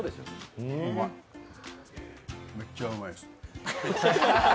めっちゃうまいっす。